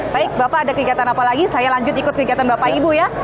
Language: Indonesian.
baik bapak ada kegiatan apa lagi saya lanjut ikut kegiatan bapak ibu ya